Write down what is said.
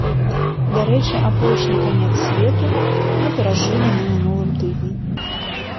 Дарэчы, апошні канец свету мы перажылі на мінулым тыдні.